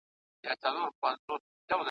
چې ژوند ولاړ وي د سزا په رقم